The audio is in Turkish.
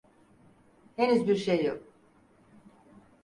Henüz bir şey yok.